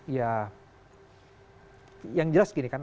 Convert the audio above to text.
ya yang jelas gini kan